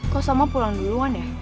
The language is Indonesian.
kok sama pulang duluan ya